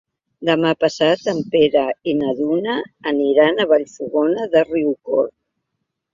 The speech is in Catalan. Demà passat en Pere i na Duna aniran a Vallfogona de Riucorb.